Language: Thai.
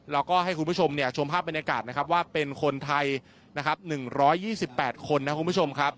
แล้วก็ให้คุณผู้ชมชมภาพบรรยากาศนะครับว่าเป็นคนไทยนะครับ๑๒๘คนนะครับคุณผู้ชมครับ